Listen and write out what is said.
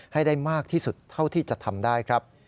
ให้ได้มากที่สุดเท่าที่จะทำได้ครับ